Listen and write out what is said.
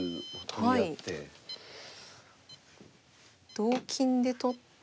同金で取って。